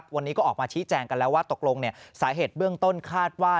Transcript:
วันนี้ก็ออกมาชี้แจงกันแล้วว่าตกลงสาเหตุเบื้องต้นคาดว่า